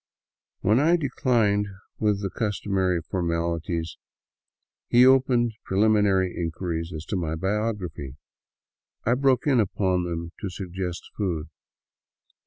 When I declined with the customary formalities, he opened pre liminary inquiries as to my biography. I broke in upon them to sug gest food.